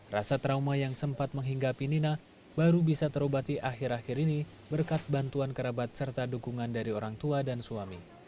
rasa trauma yang sempat menghinggapi nina baru bisa terobati akhir akhir ini berkat bantuan kerabat serta dukungan dari orang tua dan suami